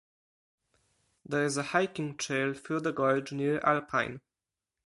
There is a hiking trail through the gorge near Alpine.